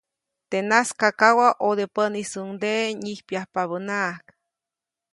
Teʼ najskakawa, ʼodepäʼnisuŋdeʼe nyijpyajpabäʼnaʼajk.